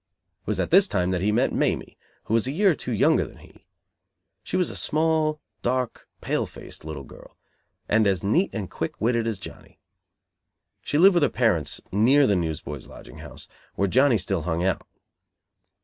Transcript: It was at this time that he met Mamie, who was a year or two younger than he. She was a small, dark, pale faced little girl, and as neat and quick witted as Johnny. She lived with her parents, near the Newsboys' Lodging House, where Johnny still "hung out".